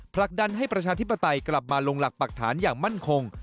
ผลักดันให้ประชาธิปไตยกลับมาลงหลักปรักฐานอย่างมั่นคง